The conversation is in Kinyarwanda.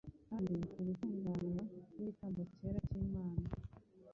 kandi kugatunganywa n’igitambo cyera cyimana